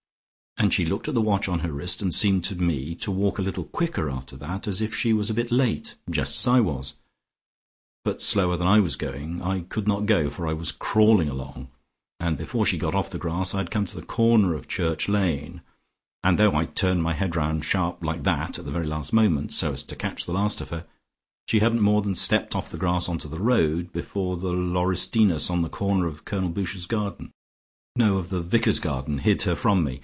And she looked at the watch on her wrist, and she seemed to me to walk a little quicker after that, as if she was a bit late, just as I was. But slower than I was going, I could not go, for I was crawling along, and before she got off the grass, I had come to the corner of Church Lane, and though I turned my head round sharp, like that, at the very last moment, so as to catch the last of her, she hadn't more than stepped off the grass onto the road before the laurestinus at the corner of Colonel Boucher's garden no, of the Vicar's garden hid her from me.